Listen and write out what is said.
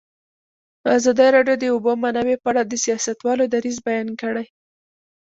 ازادي راډیو د د اوبو منابع په اړه د سیاستوالو دریځ بیان کړی.